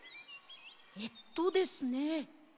えっとですね